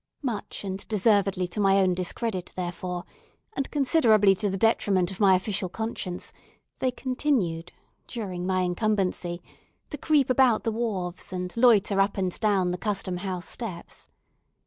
Much and deservedly to my own discredit, therefore, and considerably to the detriment of my official conscience, they continued, during my incumbency, to creep about the wharves, and loiter up and down the Custom House steps.